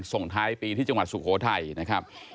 ส่งท้ายปีที่จังหวัดสุโขทัยนะครับ